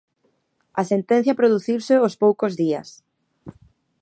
A sentencia produciuse ós poucos días: